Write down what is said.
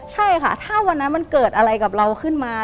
ใช่ค่ะถ้าวันนั้นมันเกิดอะไรกับเราขึ้นมา